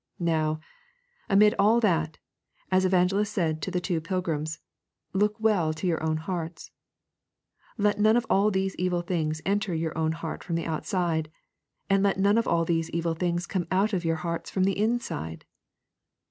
Now, amid all that, as Evangelist said to the two pilgrims, look well to your own hearts. Let none of all these evil things enter your heart from the outside, and let none of all these evil things come out of your hearts from the inside.